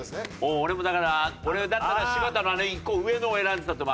俺もだから俺だったら柴田のあの１個上のを選んでたと思う。